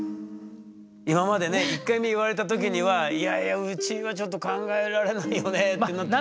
今までね１回目言われた時には「いやいやうちはちょっと考えられないよね」ってなってたけど。